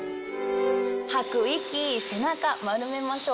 吐く息背中丸めましょう。